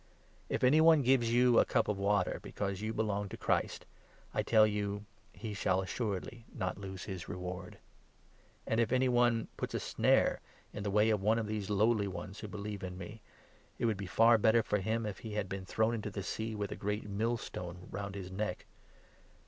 If any one gives you a cup of water be 41 cause you belong to Christ, I tell you, he shall assuredly not lose Against his reward. And, if any one puts a snare in 42 hindering the way of one of these lowly ones who believe in others. me> }(• would be far better for him if he had been thrown into the sea with a great millstone round his neck.